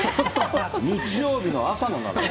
日曜日の朝の並び。